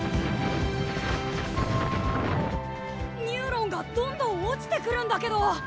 ニューロンがどんどん落ちてくるんだけど。